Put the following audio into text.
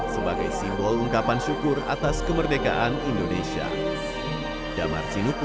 sebagai simbol ungkapan syukur atas kemerdekaan indonesia